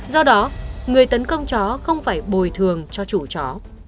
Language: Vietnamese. do đó người tấn công chó không phải bồi thường cho chủ chó